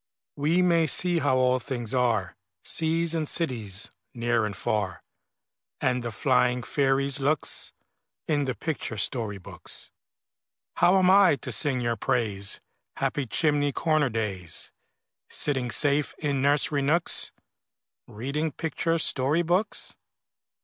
We may see how all things are, Seas and cities, near and far, And the flying fairies' looks, In the picture story books. How am I to sing your praise, Happy chimney corner days, Sitting safe in nursery nooks, Reading picture story books?